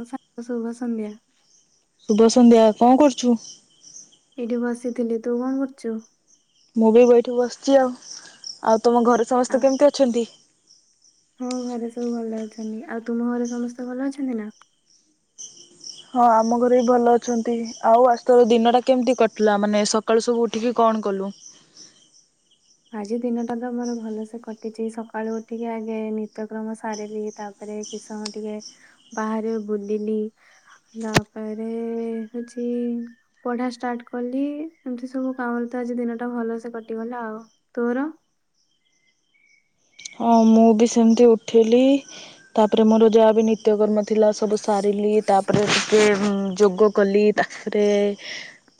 ହ ସ ଶୁଭ ସଂନ୍ଧ୍ୟା ଶୁଭ ସନ୍ଧ୍ୟା କଣ କରୁଛୁ ଏଇଠି ବସିଥିଲି ତୁ କଣ କରୁଛୁ ମୁଁ ବି ବଇଠିକୁ ବସିଛି ଆଉ ଆଉ ତମ ଘରେ ସମସ୍ତେ ଆଉ କେମିତି ଅଛନ୍ତି ହଁ ଘରେ ସବୁ ଭଲ ଆଉ ତୁମ ଘରେ ସମସ୍ତେ ଭଲ ଅଛନ୍ତି ନା ହଁ ଆମ ଘରେ ବି ଭଲ ଅଛନ୍ତି ଆଉ ଆସ ତର ଦିନଟା କେମିତି କିଲା ମାନେ ସକାଳୁ ସବୁ ଉଠିକି [inaudible] [inaudible] ଆଜି ଦିନ ଟା ତ ମମର ଭଲସେ କଟିଛି ସକାଳୁ ଉଠିକି ଆଗେ ନିତ୍ୟକ୍ରମ ସାରିଲି ତାପରେ କି ସମୟ ଟିକେ ବାହାରେ ବୁଲିଲି ତାପରେ ହଉଛି ପଢା ଷ୍ଟାର୍ଟ କଲି ଏମିତି ସବୁ କାମରେ ତ ଆଜି ଦିନ ଟା ଭଲ ସେେ କଟିଗଲା ଆଉ ତୋର ହଁ ମୁଁ ବି ସେମିତି ଉଠିଲି ତାପରେ ମୋର ଯାହା ବି ନିତ୍ୟକର୍ମ ଥିଲା ସବୁ ସାରି ଯ କ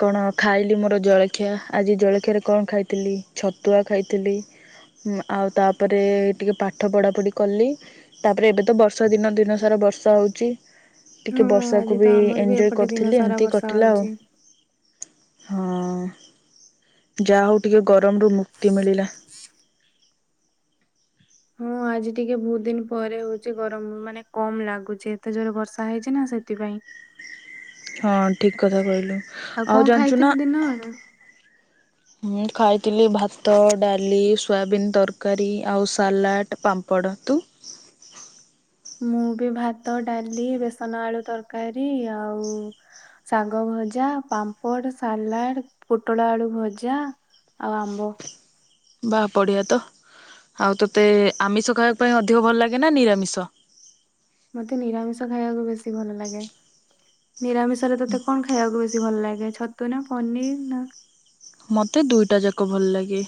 କଣ ଖ ି ଆ ଜଳିଆରେ କ ଖଥିଲି ଛତୁଆ ଖାଇଥିଲି ଆଉ ତାପରେ ଟିକେ ପାଠ ପଢା ପଢି କଲି ତାପରେ ଏବେ ତ ବର୍ଷା ଦିନ ଦିନ ସାରା ବର୍ଷା ହଉଛି ହଁ ଟିକେ ଆଜି ବର୍ଷାକୁ ତ ବି ଆମର ଏଞଜୟ ଏପଟେ ଦିନ କରିଥିଲି ସାରା ଏମିତି ବର୍ଷା କଟିଲା ଆଉ ହଉଛି। ହଁ ଯାହା ହଉ ଟିକେ ଗରମରୁ ମୁକ୍ତି ମିଳିଲା ହଁ ଆଜି ଟିକେ ବହୁତ ଦିନ ପରେ ହଉଛି ଗରମ ମାନେ କମ ଲାଗୁଛି ଏତେ ଜୋର ବର୍ଷା ହେଇଛି ନା ସେଥିପାଇଁ [inaudible] ହଁ ଠିକ କଥା କହିଲୁ ଆଉ କଣ ଜାଞ୍ଚୁନା ଖାଇଥିଲୁ ଦିନ ବେଳେ? ମୁଁ ଖାଇଥିଲି ଭାତ ଡାଲି ସୋୟାବିନ୍ ତରକାରୀ ଆଉ ସାଲାଡ ପାମ୍ପ ପଡ଼ନ୍ତୁ [inaudible] ମୁଁ ବି ଭାତ ଡାଲି ବେସନ ଆଳୁ ତରକାରୀ ଆଉ ଶାଗ ଭଜା ପାମ୍ପଡ ସାଲାଡ ପୋଟଳ ଆଳୁ ଭଜା ଆଉ ଆମ୍ବୋ ବାହା ପଡ଼ିଆ ତ ଆଉ ତୋତେ ଆମିଷ ଖାଇବାକୁ ପାଇଁ ଅଧିକ ଭଲ ଲାଗେ ନା ନିରାମିଷ ମତେ ନିରାମିଷ ଖାଇବାକୁ ବେଶି ଭଲ ଲାଗେ ନିରାମିଷ ରେ ତୋତେ କଣ ଖାଇବାକୁ ବେଶୀ ବେଶ ଭଲ ଲାଗେ ଛତୁ ନା ପନିର ନା ମୋତେ ଦୁଇଟା ଯାକ ଭଲ ଲାଗେ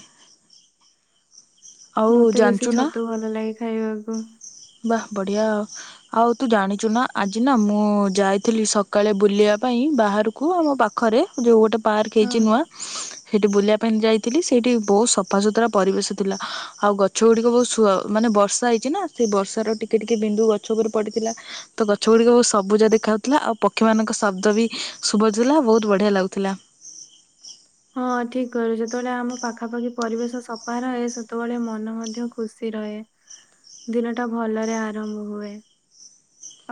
ଆଉ ମତେ ବେଶୀ ଛତୁ ଭଲ ଲାଗେ ଖାଇବାକୁ ବା ବଢିଆ ଆ ଆଉ ତୁ ଜାଣିଛୁ ନା ଆଜି ନା ମୁଁ ଯାଇଥିଲି ସକାଳେ ବୁଲିବା ପାଇଁ ବାହାରକୁ ଆମ ପାଖରେ ଯୋଉ ଗୋଟେ ପାର୍କ ହେଇଛି ହଁ। ନୂଆ ସେଇଠି ବୁଲିବା ପାଇଁ ଯାଇଥିଲି ସେଇଠି ବୋହୁତ ସଫା ସୁୁତୁରା ପରିବେଶ ଥିଲା, ଆଉ ଗଛ ଗୁଡିକ ବୋହୁତ ମାନେ ବର୍ଷା ହେଇଛି ନା। ସେଇ ବର୍ଷ ର ଟିକେ ଟିକେ ବିନ୍ଦୁ ଗଛ ଉପରେ ପଡିଥିଲା ତ ଗଛ ଗୁଡିକ ସବୁଜା ଦେଖା ହୋଉଥିଲା, ଆଉ ପକ୍ଷୀ ମାନଙ୍କ ଶବ୍ଦ ବି ଶୁଭଜ ଥିଲା ବୋହୁତ ବଢିଆ ଲାଗୁଥିଲା। [inaudible] ହଁ ଠିକ କହିଲୁ ଯେତେବେଳେ ଆମ ପାଖାପାଖି ପରିବେଶ ସଫା ରହେ ସେତେବେଳେ ମନ ମଧ୍ୟ ଖୁସି ରହେ, ଦିନ ଟା ଭଲରେ ଆରମ୍ଭ ହୁଏ।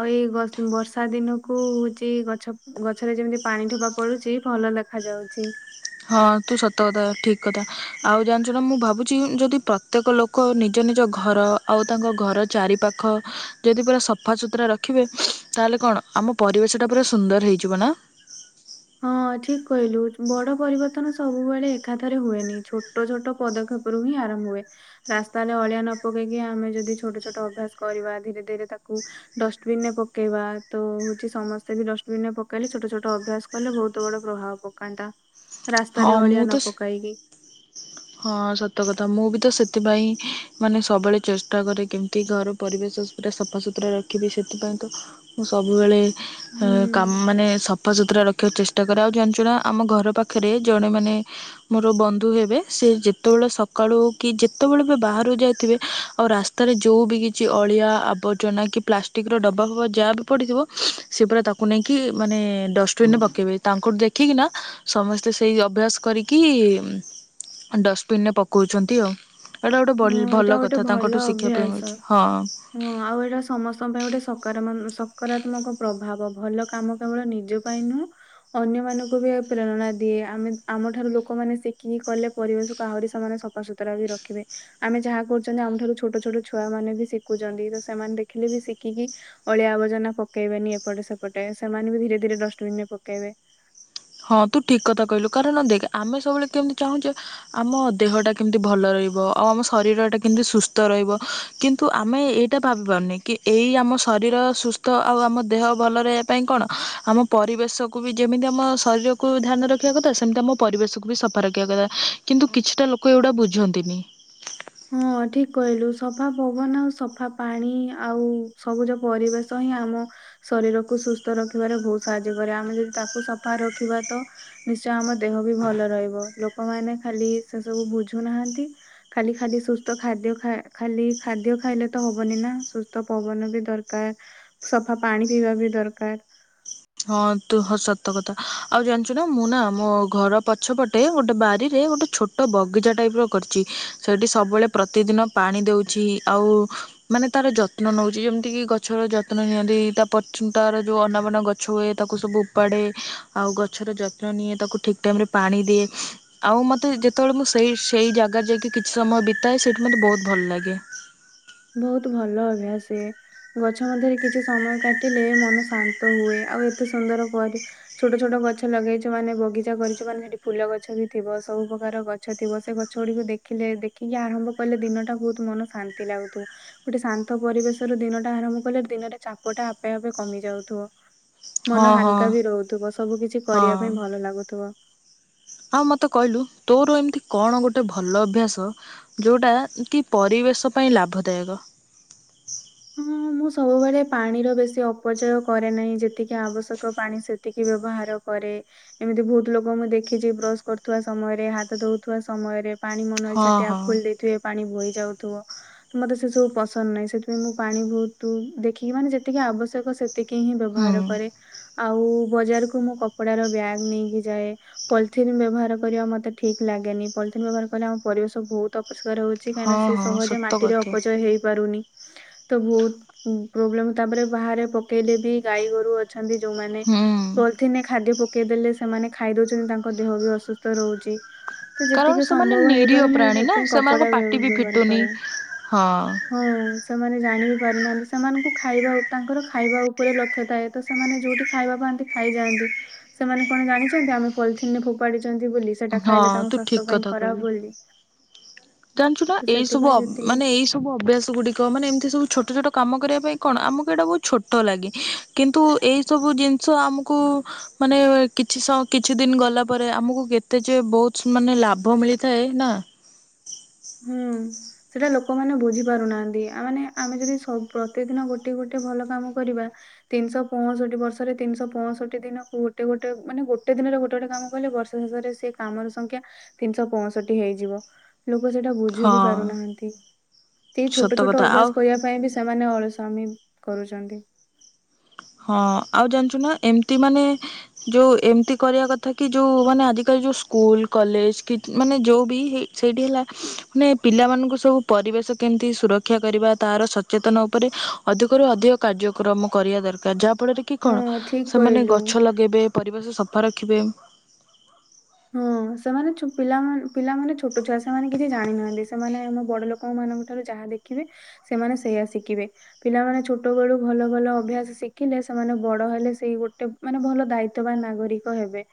ଆଉ ଏଇ ବର୍ଷା ଦିନକୁ ହୋଉଚି ଗଛ ଗଛରେ ଯେମିତି ପାଣି ଠୋପା ପଡୁଚି। ଭଲ ଦେଖା ଯାଉଚି। ହଁ ତୁ ସତ କଥା ଠିକ କଥା ଆଉ ଜାଣିଛୁ ମୁଁ ଭାବୁଛି ଯଦି ପ୍ରତ୍ୟେକ ଲୋକ ନିଯେ ନିଜ ଘର ଆଉ ତାଙ୍କ ଘର ଚାରି ପାଖ ଯଦି ପୁରା ସଫା ସୁତୁରା ରଖିବେ ତାହେଲେ କଣ ଆମ ପରିବେଶ ଟା ପୁରା ସୁନ୍ଦର ହେଇଯିବ ନା। [inaudible] ହଁ ଠିକ କହିଲୁ, ବଡ ପରିବର୍ତ୍ତନ ସବୁବେଳେ ଏକାଥରେ ହୁଏନି ଛୋଟ ଛୋଟ ପଦକ୍ଷେପ ହିଁ ଆରମ୍ଭ ହୁଏ, ରାସ୍ତା ହେଲେ ଅଳିଆ ନ ପକେଇକି ଆମେ ଯଦି ଛୋଟ ଛୋଟ ଅଭ୍ୟାସ କରିବା ଧୀରେ ଧୀରେ ଡଷ୍ଟବିନ ରେ ପକେଇବା ତ ହଉଚି, ସମସ୍ତେ ବି ଡଷ୍ଟବିନ ରେ ପକେଇଲେ ଛୋଟ ଛୋଟ ଅଭ୍ୟାସ କଲେ ବୋହୁତ ବଡ ପ୍ରଭାବ ପକାନ୍ତା। ହଁ ରାସ୍ତାରେ ମୁଁ ଅଳିଆ ତ ନ ପକାଇକି ହଁ ସତ କଥା ମୁଁ ବି ତ ସେ ସେଥିପାଇଁ ମାନେ ସବୁବେଳେ ଚେଷ୍ଟା କରେ କେମିତି ଘର ପରିବେଶ ପୁରା ସଫାସତୁରା ରଖିବି ସେଥିପାଇଁ ମୁଁ ସବୁବେଳେ ହୁଁ କାମ ମାନେ ସଫାସତୁରା ରଖିବାକୁ ଚେଷ୍ଟା କରେ ଆଉ ଜାଣିଛୁ ନା ଆମ ଘର ପାଖ ପାଖରେ ଜଣେ ମାନେ ମୋର ବନ୍ଧୁ ହେବେ ସେ ଯେତେବେଳେ ସକାଳୁ କି ଯେତେବେଳେ ବି ବାହାର ଯାଇଥିବେ ଆଉ ରାସ୍ତାରେ ଯୋଉ ବି କିଛି ଅଳିଆ ଆବର୍ଜନା କି ପ୍ଲାଷ୍ଟିକ ର ଡବା ହବା ଯାହା ପଡିଯିବ ସେ ପୁରା ତାକୁ ନେଇକି ମାନେ ଡଷ୍ଟବିନ ରେ ପକେଇବେ, ତାଙ୍କଠୁ ଦେଖିକି ସମସ୍ତେ ସେଇ ଅଭ୍ୟାସ କରିକି ଡଷ୍ଟବିନରେ ପକଉଛନ୍ତି ଆଉ। ଏଇଟା ଗୋଟେ ବଲ ହଁ ଭଲ ଏଇଟା ଗୋଟେ କଥା ତାଙ୍କଠୁ ଭଲ ଶିକ୍ଷା ପାଇଁ ଅଭ୍ୟାସ, ମିଳୁଛି ହଁ। ହଁ ଆଉ ଏଇଟା ସମସ୍ତଙ୍କ ପାଇଁ ଗୋଟେ ସକାର ସ ସକାରାତ୍ମକ ପ୍ରଭାବ ଭଲ କାମ କେବଳ ନିଜ ପାଇଁ ନୁହଁ ଅନ୍ୟ ମାନଙ୍କୁ ବି ପ୍ରେରଣା ଦିଏ। ଆମେ ଆମଠାରୁ ଲୋକମାନେ ଶିଖିକି କଲେ ପରିବେଶକୁ ଆହୁରି ସେମାନେ ସଫାସତୁରା ବି ରଖିବେ। ଆମେ ଯାହା କରୁଛନ୍ତି ଆମ ଠାରୁ ଛୋଟ ଛୋଟ ଛୁଆ ମାନେ ବି ଶିଖୁଛନ୍ତି, ତ ସେମାନେ ଦେଖିଲେ ବି ଶିଖିକି ଅଳିଆ ଆବର୍ଜନା ପକେଇବେନି ଏପଟେ ସେପଟେ ସେମାନେ ବି ଧୀରେ ଧୀରେ ଡଷ୍ଟବିନ ରେ ପକେଇବେ। ହଁ ତୁ ଠିକ କଥା କହିଲୁ କାରଣ ଦେଖ ଆମେ ସବୁବେଳେ କେମିତି ଚାହୁଁଚେ ଆମ ଦେହଟା କେମିତି ଭଲ ରହ ରହିବ ଆଉ ଆମ ଶରୀରଟା କେମିତି ସୁସ୍ଥ ରହିବ କିନ୍ତୁ ଆମେ ଏଇଟା ଭାବିପାରୁନେ କି ଏଇ ଆମ ଶରୀର ସୁସ୍ଥ ଆଉ ଆମ ଦେହ ଭଲ ରହିବା ପାଇଁ କଣ ଆମ ପରିବେଶକୁ ବି ଯେମିତି ଆମ ଶରୀରକୁ ଧ୍ୟାନ ରଖିବା କଥା ସେମିତି ଆମ ପରିବେଶକୁ ବି ସଫା ରଖିବା, କଥା କିନ୍ତୁ କିଛିଟା ଲୋକ ଏଗୁଡା ବୁଝନ୍ତିନି। [inaudible] ହଁ ଠିକ କହିଲୁ ସଫା ପବନ ଆଉ ସଫା ପାଣି ଆଉ ସବୁଜ ପରିବେଶ ଆମ ଶରୀରକୁ ସୁସ୍ଥ ରଖିବାରେ ବୋହୁତ ସାହାଯ୍ୟ କରେ ଆମେ ଯଦି ତାକୁ ସଫା ରଖିବା ତ ନିଶ୍ଚୟ ଆମ ଦେହ ବି ଭଲ ରହିବ ଲୋକମାନେ ଖାଲି ସେ ସବୁ ବୁଝୁନାହାନ୍ତି, ଖାଲି ଖାଲି ସୁସ୍ଥ ଖାଦ୍ୟ ଖ ଖାଲି ଖାଦ୍ୟ ଖାଇଲେ ତ ହବନି ନା ସୁସ୍ଥ ପବନ ବି ଦରକାର। ସଫା ପାଣି ପିଇବା ବି ଦରକାର। ହଁ ତୁ ହଁ ସତ କଥା ଆଉ ଜାଣିଚୁ ନା ମୁଁ ନା ମୋ ଘର ପଛପଟେ ଗୋଟେ ବାରିରେ ଏ ଗୋଟେ ଛୋଟ ବଗିଚା ଟାଇପ୍ ର କରିଚି, ସେଇଠି ସବୁବେଳେ ପ୍ରତିଦିନ ପାଣି ଦେଉଛି ଆଉ ମାନେ ତାର ଯତ୍ନ ନଉଚି, ଯେମିତି କି ଗଛର ଯତ୍ନ ନିଅନ୍ତି ତା ତାର ଯୋଉ ଅନାବନା ଗ ଗଛ ହୁଏ, ତାକୁ ସବୁ ଉପାଡେ ଆଉ ଗଛର ଯତ୍ନ ନିଏ ତାକୁ ଠିକ୍ ଟାଇମ୍ ରେ ପାଣି ଦିଏ ଆଉ। ମୁଁ ମୋତେ ଯେତେବେଳେ ମୁଁ ସେଇ ସେଇ ଜାଗାରେ ଯାଇକି କିଛି ସମୟ ବିତାଏ ସେଇଠି ମୋତେ ବହୁତ ଭଲ ଲାଗେ। ବୋହୁତ ଭଲ ଅଭ୍ୟାସ ଇଏ। ଗଛ ମଧ୍ୟରେ କିଛି ସମୟ କାଟିଲେ ମନ ଶାନ୍ତ ହୁଏ, ଆଉ ଏତେ ସୁନ୍ଦର ଛୋଟ ଛୋଟ ଗଛ ଲଗେଇଛୁ ମାନେ ବଗିଚା କରିଚୁ ମାନେ ସେଠି ଫୁଲ ଗଛ ବି ଥିବ ସବୁ ପ୍ରକାର ଗଛ ଥିବ ସେ ଗଛ ଗୁଡିକୁ ଦେଖି ଦେଖିଲେ ଦେଖିକି ଆରମ୍ଭ କଲେ ଦିନଟା ବୋହୁତ ମନ ଶାନ୍ତି ଲାଗୁ ଗୋଟେ ଶାନ୍ତ ପରିବେଶ ର ଦିନ ଟା ଆରମ୍ଭ କଲେ ଦିନରେ ଚାପଟା ଆପେ ଆପେ କମି ଯାଉଥିବ ହଁ ମନ ହଁ ହାଲକା ବି ରହୁଥିବ ସବୁ କିଛି କରିବା ହଁ। ପାଇଁ ଭଲ ଲାଗୁଥିବ ଆଉ ମତେ କହିଲୁ ତୋର ଏମିତି କଣ ଗୋଟେ ଭଲ ଅଭ୍ୟାସ ଯୋଉଟା କିପରି ପରିବେଶ ପାଇଁ ଲାଭଦାୟକ [inaudible] ହଁ ମୁଁ ସବୁବେଳେ ପାଣିର ବେଶୀ ଅପଚୟ କରେ ନାହିଁ ଯେତିକି ଆବଶ୍ୟକ ପାଣି ସେତିକି ବ୍ୟବହାର କରେ ଏମିତି ବହୁତ ଲୋକ ମୁଁ ଦେଖିଛି ବ୍ରଶ କରୁଥିବା ସମୟରେ ହାତ ଧଉଥିବା ସମୟରେ ପାଣି ମନ ଇଚ୍ଛା ହଁ ଟ୍ଇ ହଁ ଖୋଲି ଦେଇଥିବେ ପାଣି ବଇ ଯାଉଥିବ ତ ମୋତେ ସେସବୁ ପସନ୍ଦ ନାହିଁ ସେୁ ମୁଁ ପାଣି ବୋହୁତ ଦେଖିକି ମାନେ ଯେତିକି ଆବଶ୍ୟକ ସେତିକି ହିଁ ହୁଁ ବ୍ୟବହାର କରେ ଆଉ ବଜାର କୁ ମୁଁ କପଡ଼ା ର ବ୍ୟାଗ୍ ନେଇକି ଯାଏ ପଲିଥିନ୍ ବ୍ୟବହାର କରିବା ମତେ ଠିକ ଲାଗେ ଗେନି ପଲିଥିନ୍ ବ୍ୟବହାର କଲେ ଆମ ପରିବେଶ ବହୁତ୍ ପ ରହୁଛି କାହିଁନା ହଁ ସେ ହଁ ସହଜେ ସତ ମାଟିରେ କଥା ଅପଚୟ ହେଇପାରୁନି। ତ ବହୁତ ପ ପ୍ରୋବ୍ଲେମ ତାପରେ ବାହାରେ ପକେଇଲେ ବି ଗାଈ ଗୋରୁ ଅଛ ନ୍ତି ଯୋଉମାନେ ହୁଁ ପଲଥିନ ରେ ଖାଦ୍ୟ ପ ଦେଲେ ସେମାନେ ଖାଇ ଦଉଛନ୍ତି ତାଙ୍କ ଦେହ ବି ଅସୁସ୍ଥ ରହୁଛି। ତ କାରଣ ଯେତିକି ସେମାନେ ସମ୍ଭବ ହେଇପାରେ ନିରୀହ ମୁଁ ପ୍ରାଣୀ ନା ସେଥିପାଇଁ କପଡ଼ା ସେମାନଙ୍କ ପାଟି ବି ବ-ବ-ବ୍ୟବହାର ଫିଟୁନି। କରେ ହଁ ସେମାନେ। ଜାଣି ବି ପାରୁନାହାନ୍ତି ସେମାନଙ୍କୁ ଖାଇବା ତାଙ୍କର ଖାଇବା ଉପରେ ଲକ୍ଷ୍ୟ ଥାଏ ତ ସେମାନେ ଯଉଠି ଖାଇବା ପାଆନ୍ତି। ଖାଇଯାନ୍ତି ସେମାନେ କଣ ଜାଣି ଆମେ ପଲଥିନରେ ଫୋପାଡିଚ ବୋଲି ସେଟା ହଁ ଖାଇଲେ ତାଙ୍କ ତୁ ଠିକ ସ୍ଵାସ୍ଥ୍ୟ ପାଇଁ କଥା ଖରାପ କହିଲୁ। ବୋଲି। ଜାଣିଛୁ ନା ତ ଏଇ ସବୁ ସେଥିପାଇଁ ଯେତିକି ମାନେ ଅ ଏଇ ସବୁ ଅଭ୍ୟାସ ଗୁଡ ଗୁଡ଼ିକ ମାନେ ଏମତି ସବୁ ଛୋଟ ଛୋଟ କାମ କରିବା ପାଇଁ ଆମକୁ ଏଟା ବହୁତ୍ ଛୋଟ ଛୋଟ ଲାଗେ କିନ୍ତୁ ଏଇ ସବୁ ଜି ଜିନିଷ ଆମକୁ ମାନେ କିଛି ସ କିଛି ଦିନ ଗଲା ପରେ ଆମକୁ କେତେ ଯେ ବହୁତ ମାନ ଲାଭ ମିଳିଥାଏ ନା। ସେଇଟା ଲୋକମାନେ ବୁଝି ପାରୁନାହାନ୍ତି ଆ ମାନେ ଆମେ ଯଦି ସ ପ୍ରତି ଦିନ ଗୋଟେ ଗୋଟେ ଭଲ କାମ କରିବା। ତିନିଶହ ପଂଷଠି ବର୍ଷ ରେ ତିନିଶହ ପଂଷଠି ଦିନକୁ ଗୋଟେ ଗୋଟେ ମାନେ ଗୋଟେ ଦିନରେ ଗୋଟେ ଗୋଟେ କାମ କଲେ ବ ଷ ଶେଷରେ ସେ କାମର ସଂଖ୍ୟା ତିନିଶହ ପଂଠି ହେଇଯିବ ଲୋ ସେଟା ବୁଝି ବି ହଁ ପାରୁନାହାନ୍ତି ସେଇ ଛୋଟ ସତ ଛୋଟ କଥା ଆଉ ଅଭ୍ୟାସ କରିବା ପାଇଁ ବି ସେମାନେ ଅଳ ମୀ କରୁଛନ୍ତି। ହଁ ଆଉ ଜାଣିଛୁ ନା ଏମତି ମାନେ ଯୋଉ ଏମତି କରିବା କଥା କି ଯୋଉ ମାନେ ଆଜିକାଲି। ସ୍କୁଲ କଲେଜ କି ମାନେ ଯଉ ବି ଇ ସେଇଠି ହେଲା ମାନେ ପିଲାମାନଙ୍କୁ ସବୁ ପରିବେ ଶ କେମିତି ସୁରକ୍ଷା କରିବା ତାର ସଚେତନ ଉପରେ ଅଧିକରୁୁ ଅଧିକ କାର୍ଯ୍ୟକ୍ରମ କରିବା ଦର କାର ଯାହା ଫଳରେ କି କଣ ହଁ ଠିକ ସେମାନେ କହିଲୁ। ଗଛ ଲଗେଇବେ ପରିବେଶ ସ ଫା ରଖିବେ। ହଁ ସେମାନେ ଛୋ ପିଲାମାନେ ପିଲାମାନେ ଛୋଟ ଛୁଆ ସେମାନେ କିଛି ଜାଣିନାହାନ୍ତି ସେମାନେ ଆମ ବଡ ଲୋକ ମା ଙ୍କ ର ଠାରୁ ଯାହା ଦେଖିବେ ସେମାନେ ସେଇଆ ଶିଖିବେ ପିଲାମାନେ ଛୋଟ ବେଳୁ ଭଲ ଭଲ ଅଭ୍ୟାସ ଶିଖି ଲେ ସେମାନେ ବଡ ହେଲେ ସେଇ ଗୋଟେ ମାନେ ଭଲ ଦାୟିତବାନ ନାଗରିକ ହେବେ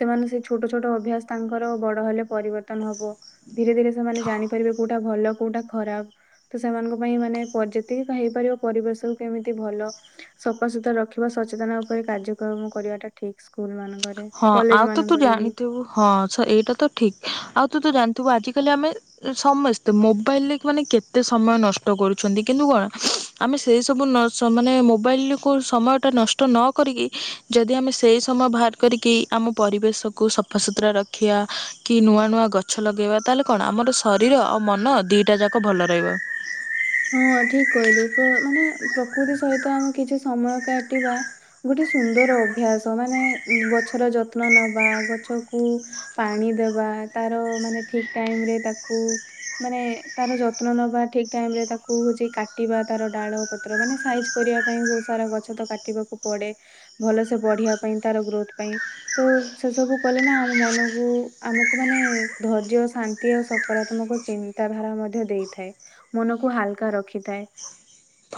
ସେମାନେ ସେ ଛୋଟ ଛୋଟ ଅଭ୍ୟାସ ତାଙ୍କର ବଡ ହେଲେ ପରିବର୍ତ୍ତନ ହବ ଧୀରେ ଧୀରେ ସେମାନେ ଜାଣିପାରିବେ କୋଉଟା ଭଲ। କୋଉଟା ଖରାପ ତ ସେମାନଙ୍କ ପାଇଁ ମାନେ ପ ଯେତିକି ହେଇପାରିବ ପରିବେଶ ରୁ କେମିତି ଭଲ। ସଫାସୁତୁରା ରଖିବା ସଚେତନ ଉପରେ କାର୍ଯ୍ୟକ୍ରମ କରିବାଟା ଠିକ ସ୍କୁଲ ମାନଙ୍କରେ ହଁ କଲେଜ ଆଉ ତ ତୁ ମାନଙ୍କ ଜାଣିଥିବୁ ହଁ ସ ଏଇଟା ତ ଠିକ ଆଉ। ତ ଜାଣିଥିବୁ ଆଜିକାଲି ଆମେ ସମସ୍ତେ ମୋବାଇଲ ରେ ମାନେ କେତେ ସମୟ ନଷ୍ଟ କରୁଛନ୍ତି କିନ୍ତୁ। କଣ ଆମେ ସେ ସବୁ ନ ସ ମାନେ ମୋବାଇଲ କୁ ସମୟ ଟା ନଷ୍ଟ ନ କରିକି ଯଦି। ଯଦି ଆମେ ସେଇ ସମୟ ବାହାର କରିକି ଆମ ପରିବେଶକୁ ସଫାସୁତୁରା ରଖିବା କି ନୂଆ ନୂଆ ଗଛ ଲଗେଇବା ତାହେଲେ କଣ ଆ ଆମର ଶରୀର ଆଉ ମନ ଦିଟା ଯାକ ଭଲ ରହିବ। ହଁ ଠିକ କହିଲୁ ପ୍ର ମାନେ ପ୍ରକୃତି ସହିତ ଆମେ କିଛି ସମୟ କାଟିବା ଗୋଟେ। ସୁନ୍ଦର ଅଭ୍ୟାସ ମାନେ ଗଛର ଯତ୍ନ ନବା ଗଛକୁ ପାଣି ଦେବା। ତାର ମାନେ ଠିକ୍ ଟାଇମ୍ ରେ ତାକୁ ମାନେ ତାର ଯତ୍ନ ନେବା ଠିକ୍ ଟାଇମ୍ ରେ ତା ତାକୁ ହଉଛି କାଟିବା ତାର ଡାଳ ପତ୍ର ମାନେ ସାଇଜ କରିବା ପାଇଁ ବହୁତ ସାରା ଗଛ ତ କାଟିବାକୁ ପଡେ। ଭଲ ସେ ବଢିବା ପାଇଁ ତାର ଗ୍ରୋଥ ପାଇଁ ତ ସେ ସବୁ କଲେ ନା ଆମ ମନକୁ ଆମକୁ। ମାନେ ଧୈର୍ଯ୍ୟ ଶାନ୍ତି ଆଉ ସକାରାତ୍ମକ ଚିନ୍ତା ଧାରା ମଧ୍ୟ ଦେଇଥାଏ। ମନକୁ ହାଲ କା ରଖିଥାଏ।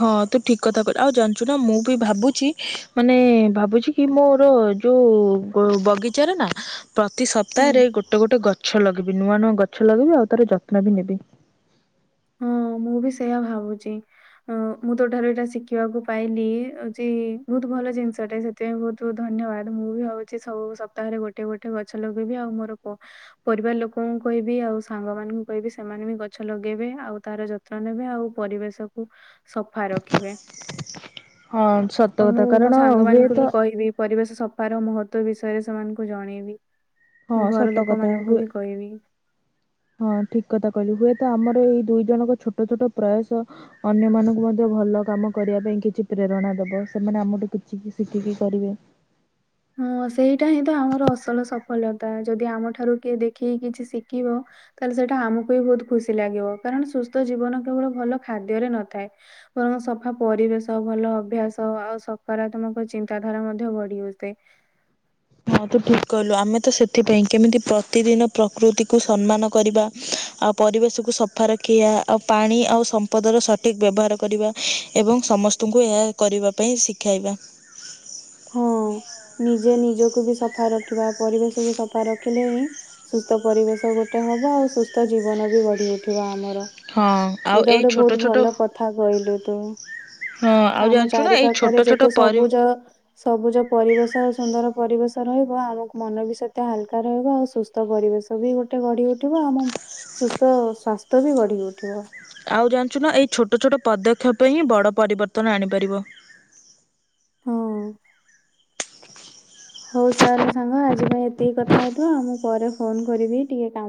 ହଁ ତୁ ଠିକ କଥା କହି ଆଉ ଜାଣିଛୁ ନା ମୁଁ ବି ଭାବୁଚି ମାନେ ଭାବୁଚି କି ମୋର ଯୋଉ ବ ବଗିଚାରେ ନା ପ୍ରତି ହୁଁ ସପ୍ତାହରେ ଗୋଟେ ଗୋଟେ ଗଛ ଲଗେଇବି। ନୂଆ ନୂଆ ଗଛ ଲଗେଇବି। ଆଉ ତାର ଯତ୍ନ ବି ନେବି। ହଁ ମୁଁ ବି ସେଇୟା ଭାବୁଚି। ହଁ ମୁଁ ତୋଠାରୁ ଏଇଟା ଶିଖିବାକୁ ପାଇଲି ଯେ ବହୁତ ଭଲ ଜିନିଷଟା ସେଥିପାଇଁ ବହୁତ ଧନ୍ୟବାଦ। ମୁଁ ବି ଭାବୁଛି ସବୁ ସପ୍ତାହରେ ଗୋଟେ ଗୋଟେ ଗଛ ଲଗେଇବି ଆଉ ମୋର ପ ପରିବାର ଲୋକ ମୁ କହିବି ଆଉ ସାଙ୍ଗ ମାନଙ୍କୁ କହିବି ସେମାନେ ବି ଗଛ ଲଗେଇବେ। ଆଉ ତାର ଯତ୍ନ ନେବେ ଆଉ ପରିବେଶକୁ ସଫା ରଖିବେ। ହଁ ସତ ଆଉ ମୁଁ କଥା ମୋ କାରଣ ସାଙ୍ଗ ମାନଙ୍କୁ ହୁଏତ ବି କହିବି ପରିବେଶ ସଫାର ମହ ତ୍ୱ ବିଷୟରେ ସେମାନଙ୍କୁ ଜଣେଇବି। ମୁଁ ହଁ ଘର ସତ ଲୋକ କଥା ମାନଙ୍କୁ ହୁଏ ବି କହିବି। ହଁ ଠିକ କଥା କହିଲୁ। ହୁଏ ତ ଆମର ଏଇ ଦୁଇ ଜଣଙ୍କ ଛୋଟ ଛୋଟ ପ୍ରୟାସ ଅନ୍ୟ ମାନଙ୍କୁ ମଧ୍ୟ ଭଲ କାମ କରିବା ପାଇଁ କିଛି ପ୍ରେରଣା ଦବ। ସେମାନେ ଆମଠୁ କିଛି ଶିଖିକି କରିବେ। [inaudible] ହଁ ସେଇଟା ହିଁ ତ ଆମର ଅସଲ ସଫଲ୍ୟତା ଯଦି ଆମଠାରୁ କିଏ ଦେଖିକି କିଛି ଶିଖିବ। ତାହେଲେ ସେଇଟା ଆମକୁ ବିି ବହୁତ ଖୁସି ଲାଗିବ। କାରଣ ସୁସ୍ଥ ଜୀବନ କେବଳ ଭଲ ଖାଦ୍ୟରେ ନଥାଏ। ବରଂ ସଫା ପରିବେଶ ଭଲ ଅଭ୍ୟାସ ଆଉ ସକାରାତ୍ମକ ଚିନ୍ତାଧାରା ମଧ୍ୟ ଗଢି ଅଛି। ସେ ହଁ ତୁ ଠିକ୍ କହିଲୁ ଆମେ ତ ସେଥିପାଇଁ କେମିତି ପ୍ରତିଦିନ ପ୍ରକୃତିକୁ ସମ୍ମାନ କରିବା। ଆଉ ପରିବେଶକୁ ସଫା ରଖିବା ଆଉ ପାଣି ଆଉ ସମ୍ପଦର ସଠିକ ବ୍ୟବହାର କରିବା। ଏବଂ ସମସ୍ତଙ୍କୁ ଏହା କରିବା ପାଇଁ ଶିଖାଇବା। ହଁ ନିଜେ ନିଜକୁ ବି ସଫା ରଖିବା ପରିବେଶକୁୁ ସଫା ରଖିଲେ ହିଁ ସୁସ୍ଥ ପରିବେଶ ଗୋଟେ ହବ ଆଉ ସୁସ୍ଥ ଜୀବନ ବି ଗଢି ଉଠିବ ଆମର। ହଁ ଆଉ ଏଇଟା ଏଇ ଗୋଟେ ଛୋଟ ବହୁତ ଛୋଟ ଭଲ କଥା କହିଲୁ ତୁ। ହଁ ଆଉ ଆମ ଜାଣିଛୁ ନା ଚାରି ଏଇ ଛୋଟ ପାଖରେ ଛୋଟ ଯେତେ ପରି ସବୁଜ ସବୁଜ ପରିବେଶ ଆଉ ସୁନ୍ଦର ପରିବେଶ ରହିବ ଆମକୁ ମନ ବି ସତ ହାଲକା ରହିବ ଆଉ ସୁସ୍ଥ ପରିବେଶ ବି ଗୋଟେ ଗଢି ଉଠିବ ଆମ ସୁସ୍ଥ ସ୍ୱାସ୍ଥ୍ୟ ବି ଗଢି ଉଠିବ। ଆଉ ଜାଣିଚୁ ନା ଏଇ ଛୋଟ ଛୋଟ ପଦକ୍ଷେପ ହିଁ ବଡ ପରିବର୍ତ୍ତନ ଆଣିପାରିବ। ହଁ। ହଉ ତାହେଲେ ସାଙ୍ଗ ଆଜି ପାଇଁ ଏତିକି କଥା ହେଇଥିବ। ଆଉ ମୁଁ ପରେ ଫୋନ କରିବି ଟିକେ କାମ